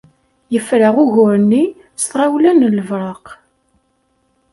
Yefra ugur-nni s tɣawla n lebreq.